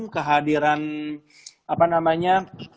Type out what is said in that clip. kehadiran apa namanya